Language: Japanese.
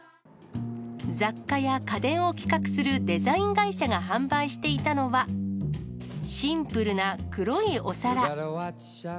雑貨や家電を企画するデザイン会社が販売していたのは、シンプルな黒いお皿。